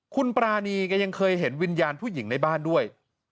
คุณปรานีก็ยังเคยเห็นวิญญาณผู้หญิงในบ้านด้วย